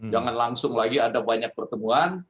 jangan langsung lagi ada banyak pertemuan